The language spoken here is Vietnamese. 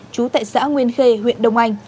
chú tại xã nguyên khê huyện đồng anh